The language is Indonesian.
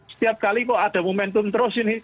setiap kali kok ada momentum terus ini